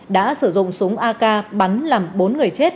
đã sử dụng súng ak bắn làm bốn người chết